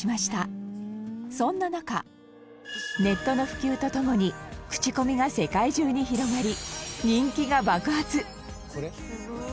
そんな中ネットの普及とともに口コミが世界中に広がり人気が爆発！